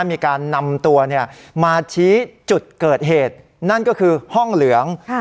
มีการนำตัวมาชี้จุดเกิดเหตุนั่นก็คือห้องเหลือง